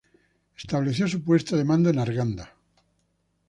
Estableció su puesto de mando en Arganda.